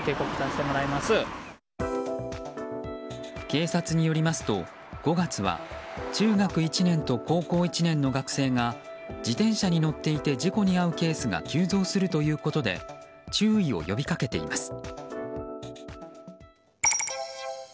警察によりますと５月は中学１年と高校１年の学生が自転車に乗っていて事故に遭うケースが急増するということで注意を呼びかけています。